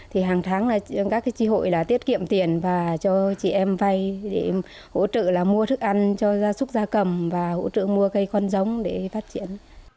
hàng tháng các tri hội tiết kiệm tiền và cho chị em vay để hỗ trợ mua thức ăn cho da súc da cầm và hỗ trợ mua cây con giống để phát triển